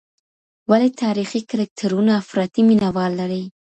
ولې تاریخي کرکټرونه افراطي مینه وال لري؟